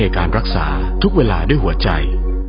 การรักษาทุกเวลาด้วยหัวใจ